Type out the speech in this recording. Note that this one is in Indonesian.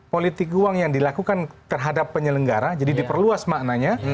politik uang yang dilakukan terhadap penyelenggara jadi diperluas maknanya